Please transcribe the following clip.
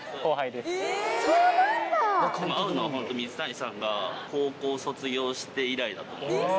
でも会うのは水谷さんが高校を卒業して以来だと思います。